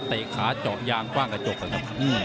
เตะขาจอบยางกว้างกระจกนะครับ